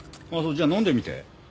じゃあ飲んでみて。